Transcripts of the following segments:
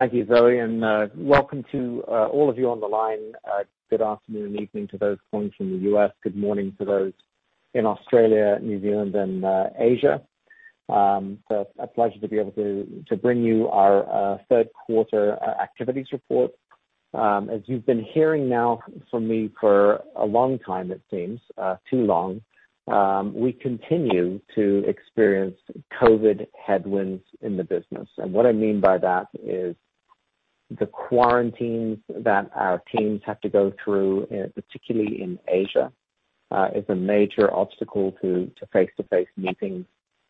Thank you, Zoe, and welcome to all of you on the line. Good afternoon and evening to those calling from the U.S. Good morning to those in Australia, New Zealand and Asia. A pleasure to be able to bring you our third quarter activities report. As you've been hearing now from me for a long time it seems, too long, we continue to experience COVID headwinds in the business. What I mean by that is the quarantines that our teams have to go through, particularly in Asia, is a major obstacle to face-to-face meetings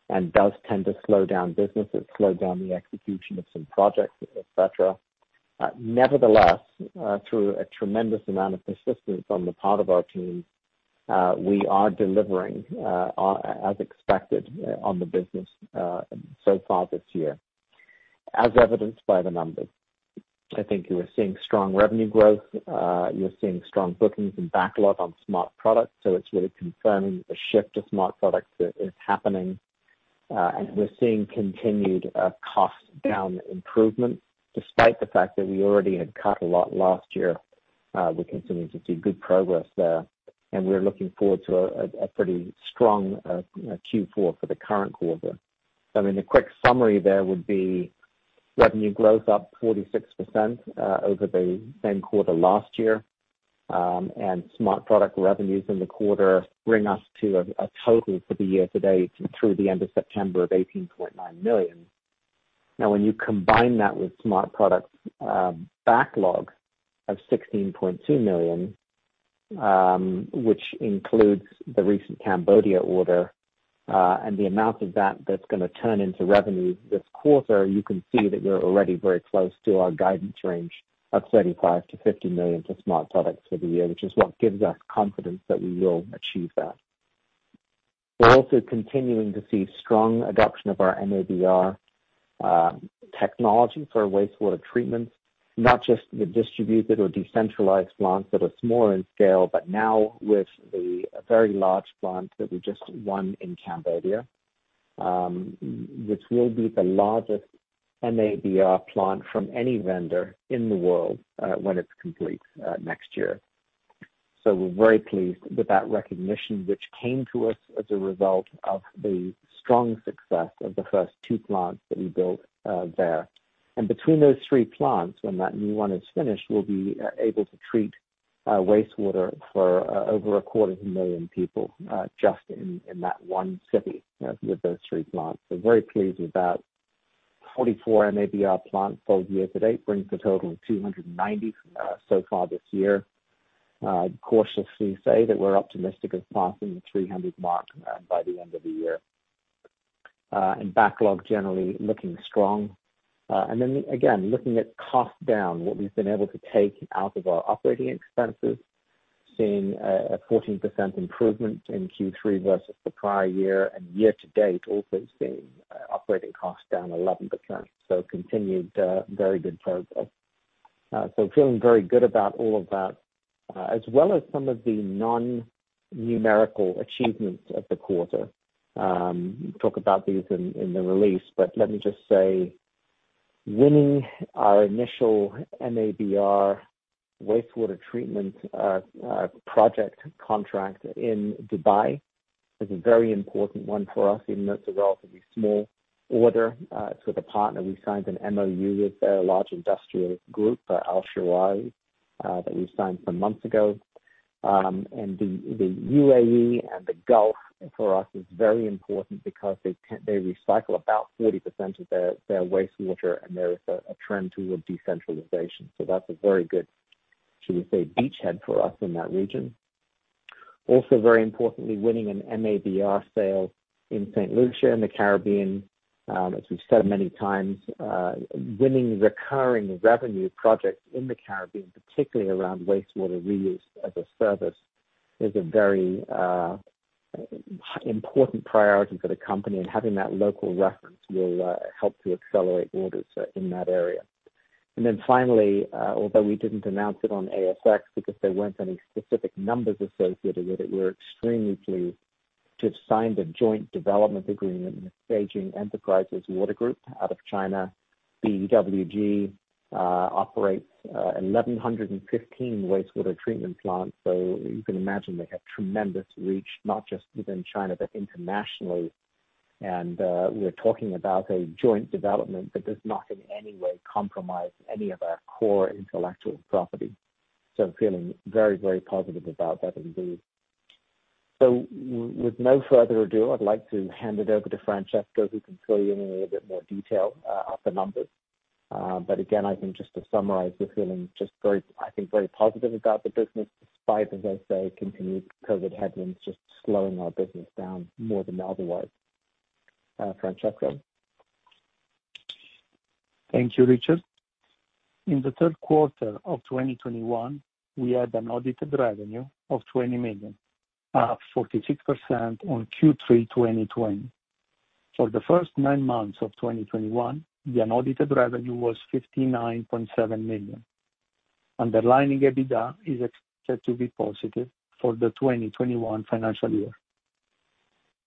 and does tend to slow down business. It slowed down the execution of some projects, et cetera. Nevertheless, through a tremendous amount of persistence on the part of our team, we are delivering as expected on the business so far this year, as evidenced by the numbers. I think you are seeing strong revenue growth. You're seeing strong bookings and backlog on smart products. So it's really confirming the shift to smart products is happening. We're seeing continued cost down improvement despite the fact that we already had cut a lot last year. We're continuing to see good progress there, and we're looking forward to a pretty strong Q4 for the current quarter. I mean, the quick summary there would be revenue growth up 46% over the same quarter last year. Smart product revenues in the quarter bring us to a total for the year to date through the end of September of $18.9 million. Now, when you combine that with smart products backlog of $16.2 million, which includes the recent Cambodia order, and the amount of that that's gonna turn into revenue this quarter, you can see that we're already very close to our guidance range of $35 million-$50 million for smart products for the year, which is what gives us confidence that we will achieve that. We're also continuing to see strong adoption of our MABR technology for wastewater treatment, not just the distributed or decentralized plants that are smaller in scale, but now with the very large plant that we just won in Cambodia, which will be the largest MABR plant from any vendor in the world, when it's complete, next year. We're very pleased with that recognition, which came to us as a result of the strong success of the first two plants that we built there. Between those three plants, when that new one is finished, we'll be able to treat wastewater for over a quarter of a million people, just in that one city with those three plants. We're very pleased with that. 44 MABR plants, so year to date brings the total to 290 so far this year. We cautiously say that we're optimistic about passing the 300 mark by the end of the year. Backlog generally looking strong. Looking at costs down, what we've been able to take out of our operating expenses, seeing a 14% improvement in Q3 versus the prior year and year to date, also seeing operating costs down 11%. Continued very good progress. Feeling very good about all of that, as well as some of the non-numerical achievements of the quarter. Talk about these in the release, but let me just say, winning our initial MABR wastewater treatment project contract in Dubai is a very important one for us, even though it's a relatively small order. It's with a partner. We signed an MoU with a large industrial group, Al Shirawi, that we signed some months ago. The UAE and the Gulf for us is very important because they recycle about 40% of their wastewater, and there is a trend toward decentralization. That's a very good, should we say, beachhead for us in that region. Also, very importantly, winning an MABR sale in Saint Lucia in the Caribbean. As we've said many times, winning recurring revenue projects in the Caribbean, particularly around wastewater reuse as a service, is a very important priority for the company. Having that local reference will help to accelerate orders in that area. Finally, although we didn't announce it on ASX because there weren't any specific numbers associated with it, we're extremely pleased to have signed a joint development agreement with Beijing Enterprises Water Group out of China. BEWG operates 1,115 wastewater treatment plants. You can imagine they have tremendous reach, not just within China but internationally. We're talking about a joint development that does not in any way compromise any of our core intellectual property. Feeling very, very positive about that indeed. With no further ado, I'd like to hand it over to Francesco, who can fill you in a little bit more detail of the numbers. Again, I think just to summarize, we're feeling just very, I think very positive about the business, despite, as I say, continued COVID headwinds just slowing our business down more than otherwise. Francesco. Thank you, Richard. In the third quarter of 2021, we had an audited revenue of $20 million, 46% on Q3 2020. For the first nine months of 2021, the unaudited revenue was $59.7 million. Underlying EBITDA is expected to be positive for the 2021 financial year.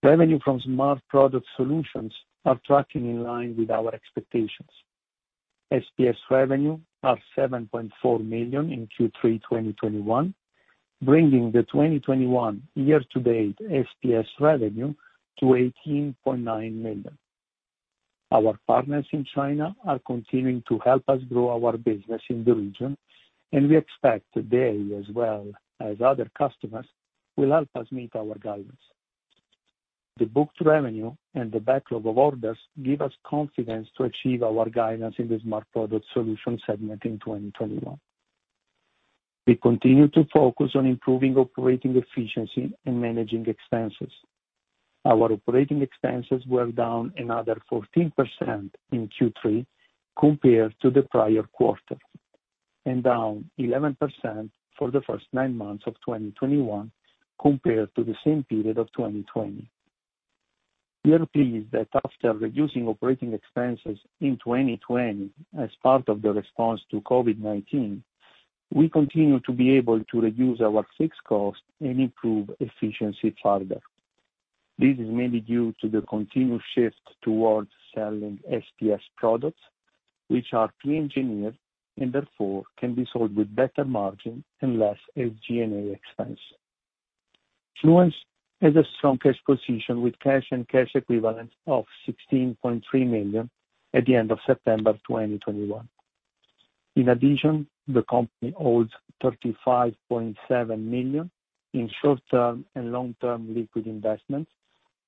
Revenue from Smart Products Solutions are tracking in line with our expectations. SPS revenue are $7.4 million in Q3 2021, bringing the 2021 year-to-date SPS revenue to $18.9 million. Our partners in China are continuing to help us grow our business in the region, and we expect they, as well as other customers, will help us meet our guidance. The booked revenue and the backlog of orders give us confidence to achieve our guidance in the Smart Products Solutions segment in 2021. We continue to focus on improving operating efficiency and managing expenses. Our operating expenses were down another 14% in Q3 compared to the prior quarter, and down 11% for the first nine months of 2021 compared to the same period of 2020. We are pleased that after reducing operating expenses in 2020 as part of the response to COVID-19, we continue to be able to reduce our fixed costs and improve efficiency further. This is mainly due to the continued shift towards selling SPS products, which are pre-engineered and therefore can be sold with better margin and less SG&A expense. Fluence has a strong cash position with cash and cash equivalents of $16.3 million at the end of September 2021. In addition, the company holds $35.7 million in short-term and long-term liquid investments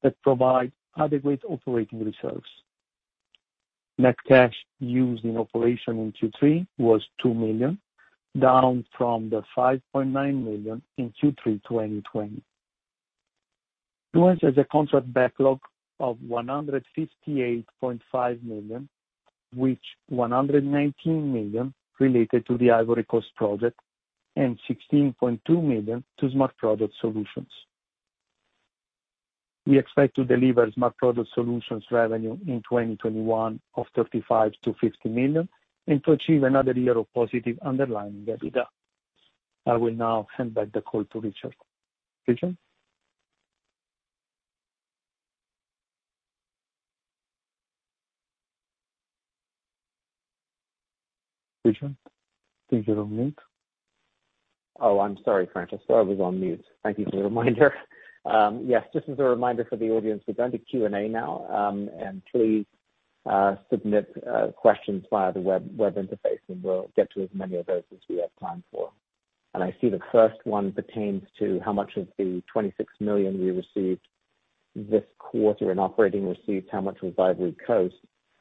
that provide adequate operating reserves. Net cash used in operation in Q3 was $2 million, down from the $5.9 million in Q3 2020. Fluence has a contract backlog of $158.5 million, which $119 million related to the Ivory Coast project and $16.2 million to Smart Products Solutions. We expect to deliver Smart Products Solutions revenue in 2021 of $35 million-$50 million, and to achieve another year of positive underlying EBITDA. I will now hand back the call to Richard. Richard? Richard, think you're on mute. Oh, I'm sorry, Francesco. I was on mute. Thank you for the reminder. Yes, just as a reminder for the audience, we're going to Q&A now, and please submit questions via the web interface, and we'll get to as many of those as we have time for. I see the first one pertains to how much of the $26 million we received this quarter in operating receipts, how much was Ivory Coast?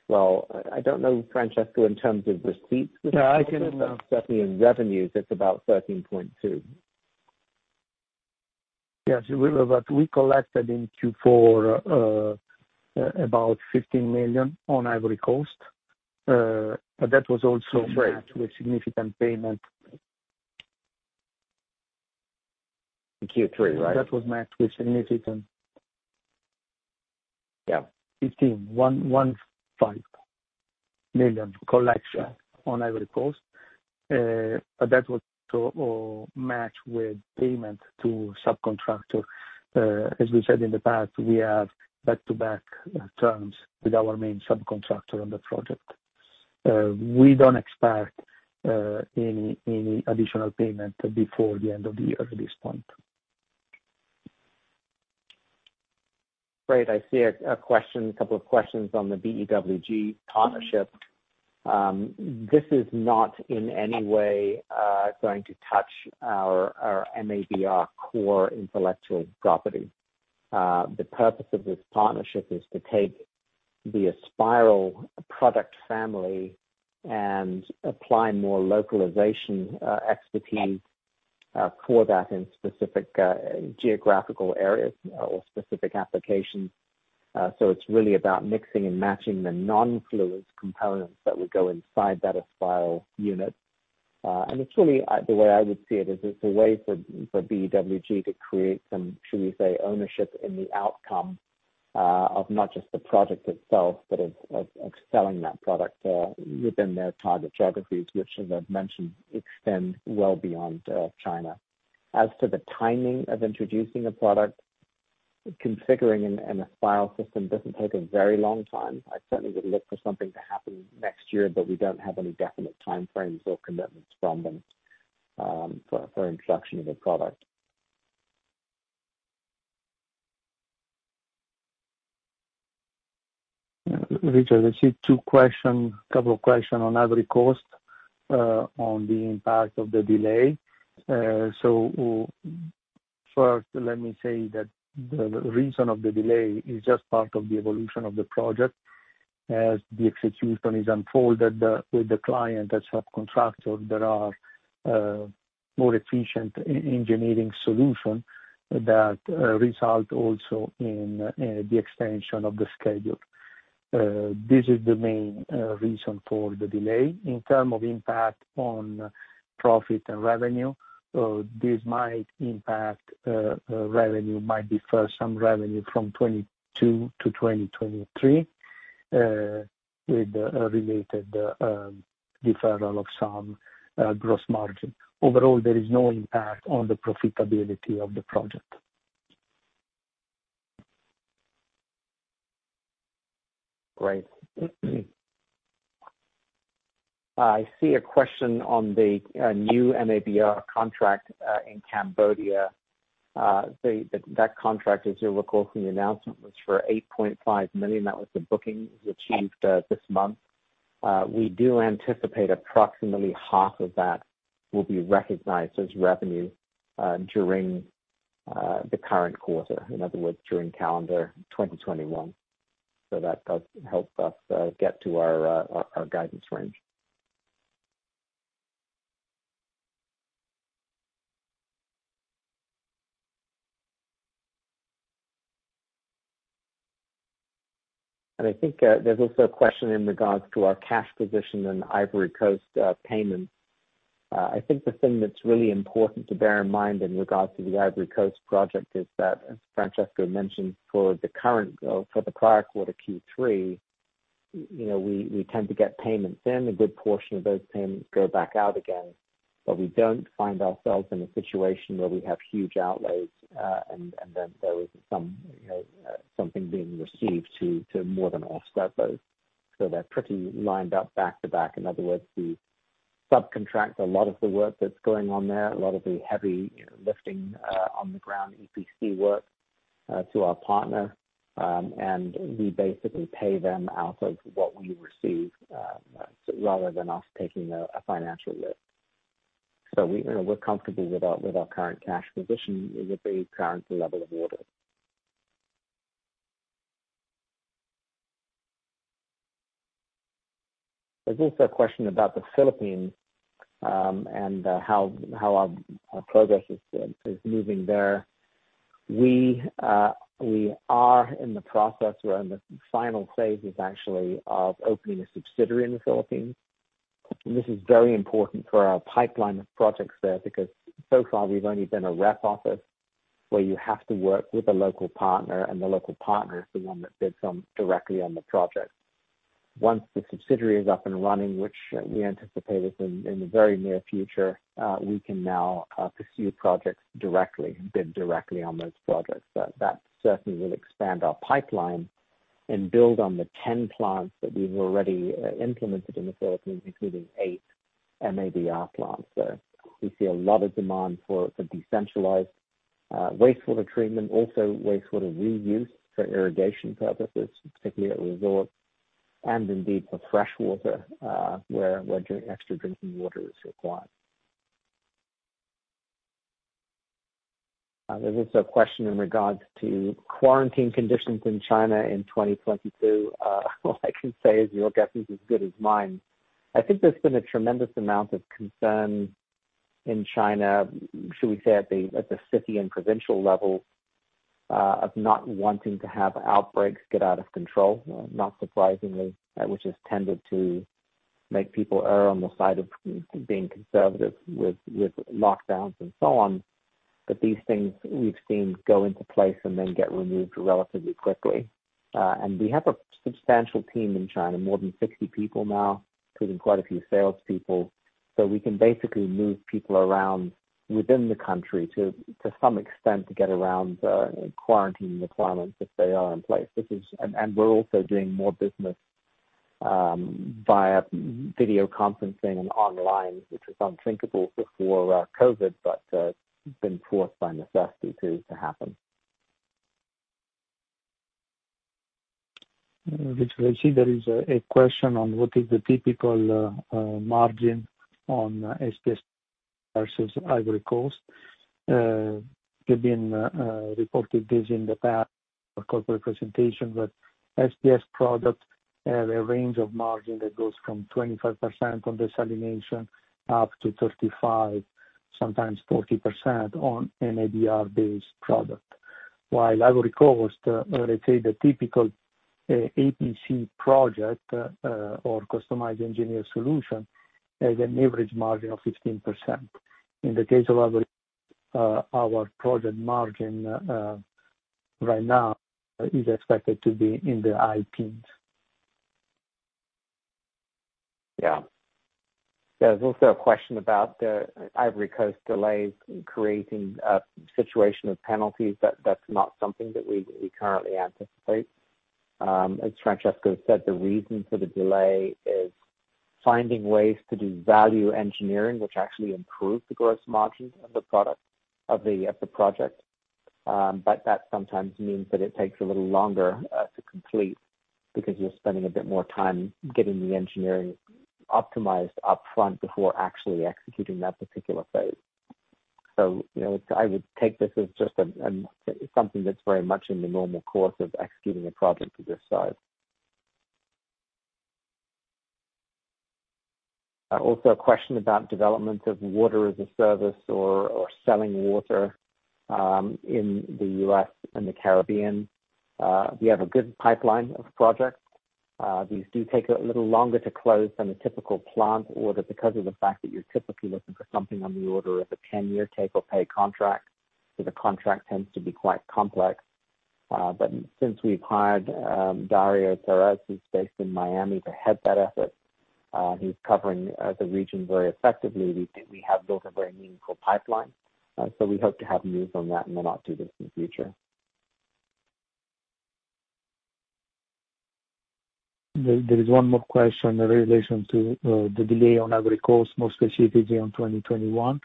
Well, I don't know, Francesco, in terms of receipts- No, I can. Certainly in revenues, it's about $13.2. Yes, we collected in Q4 about $15 million on Ivory Coast. That was also matched with significant payment. In Q3, right? That was matched with significant. Yeah. 15. $115 million collection on Ivory Coast. But that was to match with payment to subcontractor. As we said in the past, we have back-to-back terms with our main subcontractor on the project. We don't expect any additional payment before the end of the year at this point. Great. I see a question, a couple of questions on the BEWG partnership. This is not in any way going to touch our MABR core intellectual property. The purpose of this partnership is to take the Aspiral product family and apply more localization expertise for that in specific geographical areas or specific applications. It's really about mixing and matching the non-Fluence components that would go inside that Aspiral unit. It's really the way I would see it is, it's a way for BEWG to create some, should we say, ownership in the outcome of not just the product itself, but of selling that product within their target geographies, which as I've mentioned, extend well beyond China. As to the timing of introducing a product, configuring an Aspiral system doesn't take a very long time. I certainly would look for something to happen next year, but we don't have any definite timeframes or commitments from them, for introduction of a product. Richard, I see two questions, a couple of questions on Ivory Coast, on the impact of the delay. First let me say that the reason of the delay is just part of the evolution of the project. As the execution is unfolded, with the client and subcontractor, there are more efficient engineering solutions that result also in the extension of the schedule. This is the main reason for the delay. In terms of impact on profit and revenue, this might impact revenue, might defer some revenue from 2022 to 2023. With a related deferral of some gross margin. Overall, there is no impact on the profitability of the project. Great. I see a question on the new MABR contract in Cambodia. The contract, as you'll recall from the announcement, was for $8.5 million. That was the booking we achieved this month. We do anticipate approximately half of that will be recognized as revenue during the current quarter, in other words, during calendar 2021. That does help us get to our guidance range. I think there's also a question in regards to our cash position in the Ivory Coast payment. I think the thing that's really important to bear in mind in regards to the Ivory Coast project is that, as Francesco mentioned, for the prior quarter, Q3, you know, we tend to get payments in. A good portion of those payments go back out again, but we don't find ourselves in a situation where we have huge outlays, and then there isn't some, you know, something being received to more than offset those. They're pretty lined up back to back. In other words, we subcontract a lot of the work that's going on there, a lot of the heavy lifting, on the ground EPC work, to our partner. We basically pay them out of what we receive, rather than us taking a financial lift. We, you know, we're comfortable with our current cash position with the current level of orders. There's also a question about the Philippines, and how our progress is moving there. We are in the process, we're in the final stages actually, of opening a subsidiary in the Philippines. This is very important for our pipeline of projects there, because so far we've only been a rep office where you have to work with a local partner, and the local partner is the one that bids directly on the project. Once the subsidiary is up and running, which we anticipate is in the very near future, we can now pursue projects directly and bid directly on those projects. That certainly will expand our pipeline and build on the 10 plants that we've already implemented in the Philippines, including eight MABR plants there. We see a lot of demand for decentralized wastewater treatment, also wastewater reuse for irrigation purposes, particularly at resorts, and indeed for fresh water, where extra drinking water is required. There's also a question in regards to quarantine conditions in China in 2022. All I can say is your guess is as good as mine. I think there's been a tremendous amount of concern in China, should we say at the city and provincial level, of not wanting to have outbreaks get out of control, not surprisingly. Which has tended to make people err on the side of being conservative with lockdowns and so on. These things we've seen go into place and then get removed relatively quickly. We have a substantial team in China, more than 60 people now, including quite a few salespeople, so we can basically move people around within the country to some extent to get around quarantine requirements if they are in place. We're also doing more business via video conferencing and online, which was unthinkable before COVID but been forced by necessity to happen. Rich, there is a question on what is the typical margin on SPS versus Ivory Coast. We've reported this in the past corporate presentation, but SPS products have a range of margin that goes from 25% on desalination, up to 35%, sometimes 40% on MABR-based product. While Ivory Coast, let's say the typical EPC project or customized engineered solution has an average margin of 15%. In the case of our project margin, right now is expected to be in the high teens. Yeah. There's also a question about the Ivory Coast delays creating a situation of penalties. That's not something that we currently anticipate. As Francesco said, the reason for the delay is finding ways to do value engineering, which actually improves the gross margins of the product of the project. But that sometimes means that it takes a little longer to complete because you're spending a bit more time getting the engineering optimized upfront before actually executing that particular phase. You know, I would take this as just something that's very much in the normal course of executing a project of this size. Also a question about development of water as a service or selling water in the U.S. and the Caribbean. We have a good pipeline of projects. These do take a little longer to close than a typical plant order because of the fact that you're typically looking for something on the order of a 10-year take-or-pay contract. The contract tends to be quite complex. Since we've hired Dario Perez, who's based in Miami, to head that effort, he's covering the region very effectively. We think we have built a very meaningful pipeline. We hope to have news on that in the not-too-distant future. There is one more question in relation to the delay on Ivory Coast, more specifically on 2021,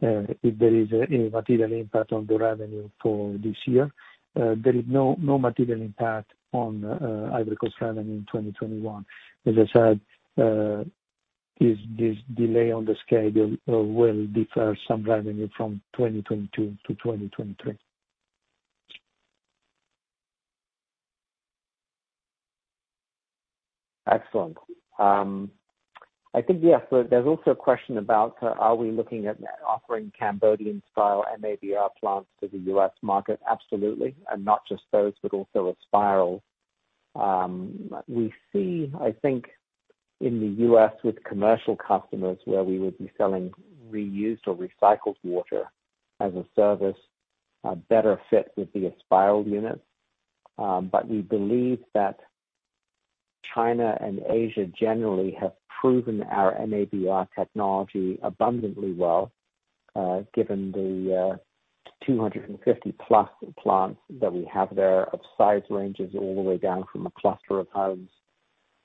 if there is any material impact on the revenue for this year. There is no material impact on Ivory Coast revenue in 2021. As I said, this delay on the schedule will defer some revenue from 2022-2023. Excellent. I think, yes, there's also a question about, are we looking at offering Cambodian-style MABR plants to the U.S. market? Absolutely. Not just those, but also Aspiral. We see, I think, in the U.S. with commercial customers where we would be selling reused or recycled water as a service, better fit with the Aspiral unit. But we believe that China and Asia generally have proven our MABR technology abundantly well, given the 250+ plants that we have there of size ranges all the way down from a cluster of homes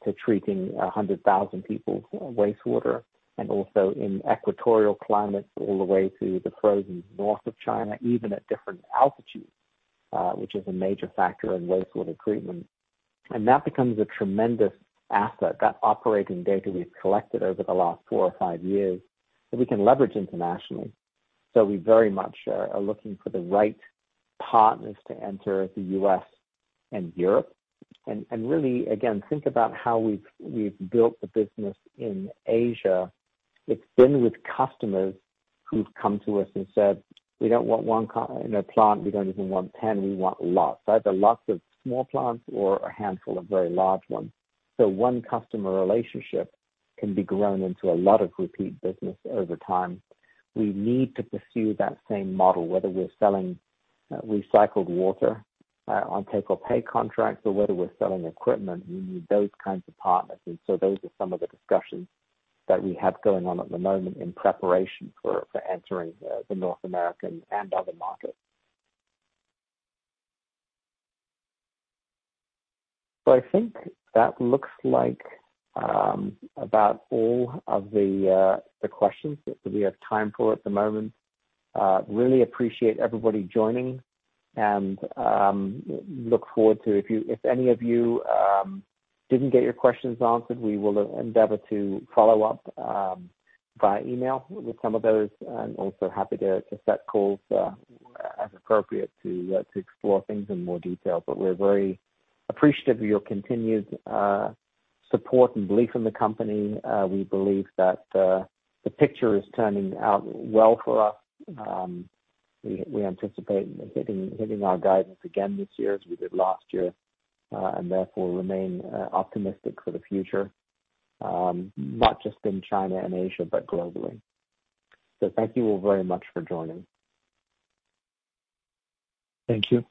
to treating 100,000 people's wastewater and also in equatorial climates all the way to the frozen north of China, even at different altitudes, which is a major factor in wastewater treatment. That becomes a tremendous asset. That operating data we've collected over the last four or five years that we can leverage internationally. We very much are looking for the right partners to enter the U.S. and Europe. Really, again, think about how we've built the business in Asia. It's been with customers who've come to us and said, "We don't want one, you know, plant. We don't even want ten. We want lots." Either lots of small plants or a handful of very large ones. One customer relationship can be grown into a lot of repeat business over time. We need to pursue that same model, whether we're selling recycled water on take-or-pay contracts or whether we're selling equipment. We need those kinds of partners, and so those are some of the discussions that we have going on at the moment in preparation for entering the North American and other markets. I think that looks like about all of the questions that we have time for at the moment. Really appreciate everybody joining and look forward to if any of you didn't get your questions answered, we will endeavor to follow up via email with some of those. I'm also happy to set calls as appropriate to explore things in more detail. We're very appreciative of your continued support and belief in the company. We believe that the picture is turning out well for us. We anticipate hitting our guidance again this year as we did last year, and therefore remain optimistic for the future, not just in China and Asia, but globally. Thank you all very much for joining. Thank you.